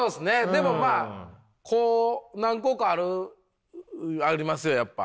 でもまあこう何個かあるありますよやっぱ。